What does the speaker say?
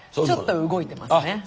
ちょっとは動いてますね。